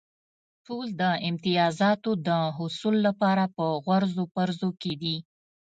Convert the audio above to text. ټول د امتیازاتو د حصول لپاره په غورځو پرځو کې دي.